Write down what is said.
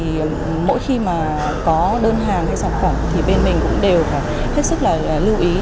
thì mỗi khi mà có đơn hàng hay sản phẩm thì bên mình cũng đều phải hết sức là lưu ý